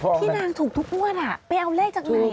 พี่นางถูกทุกงวดไปเอาเลขจากไหน